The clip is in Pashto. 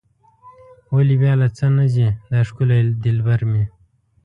ولې بیا له څه نه ځي دا ښکلی دلبر مې.